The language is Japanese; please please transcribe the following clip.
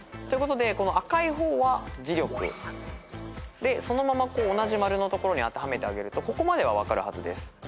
ということでこの赤い方は「じりょく」そのまま同じ丸のところに当てはめてあげるとここまでは分かるはずです。